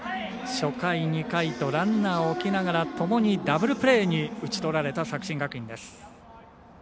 初回、２回とランナーを置きながらともにダブルプレーに打ち取られた作新学院です。